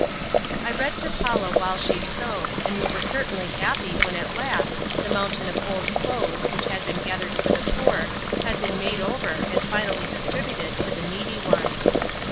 I read to Paula while she sewed, and we were certainly happy when at last the mountain of old clothes which had been gathered for the poor had been made over and finally distributed to the needy ones.